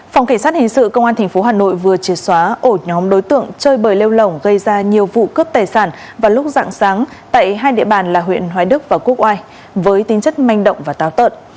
phòng cảnh sát hình sự công an tp hà nội vừa triệt xóa ổ nhóm đối tượng chơi bời lêu lỏng gây ra nhiều vụ cướp tài sản vào lúc dạng sáng tại hai địa bàn là huyện hoài đức và quốc oai với tính chất manh động và táo tợn